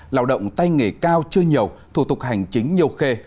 lao động tay nghề cao chưa nhiều thủ tục hành chính nhiều khê